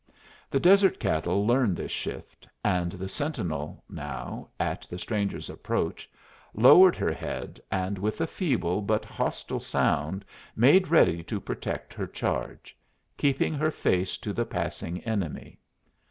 The desert cattle learn this shift, and the sentinel now, at the stranger's approach, lowered her head, and with a feeble but hostile sound made ready to protect her charge, keeping her face to the passing enemy.